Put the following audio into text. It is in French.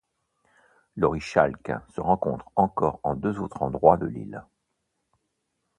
L’orichalque se rencontre encore en deux autres endroits de l’île.